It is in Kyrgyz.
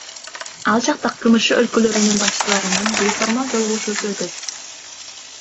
Ал жакта КМШ өлкөлөрүнүн башчыларынын бейформал жолугушуусу өтөт.